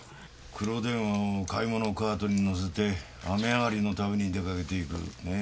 黒電話を買い物カートに乗せて雨上がりの度に出かけていくねぇ。